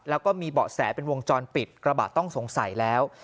แล้วก็มีเบาะแสเป็นวงจรปิดกระบะต้องสงสัยแล้ว